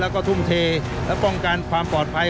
แล้วก็ทุ่มเทและป้องกันความปลอดภัย